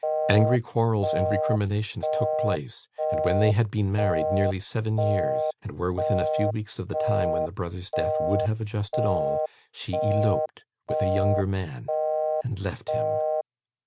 Angry quarrels and recriminations took place, and when they had been married nearly seven years, and were within a few weeks of the time when the brother's death would have adjusted all, she eloped with a younger man, and left him.